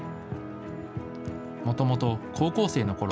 もともと、高校生のころ